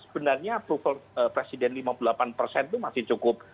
sebenarnya approval presiden lima puluh delapan persen itu masih cukup